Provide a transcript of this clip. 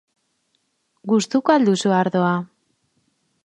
Gustuko al duzu ardoa?